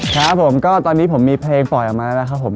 ครับผมก็ตอนนี้ผมมีเพลงปล่อยออกมาแล้วครับผม